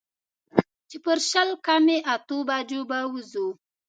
چې پر شل کمې اتو بجو به وځو.